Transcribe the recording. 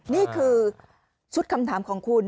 นี่คือชุดคำถามของคุณ